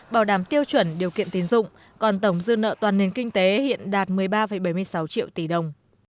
bảo đảm tiêu chuẩn điều kiện tín dụng còn tổng dư nợ toàn nền kinh tế hiện đạt một mươi ba bảy mươi sáu triệu tỷ đồng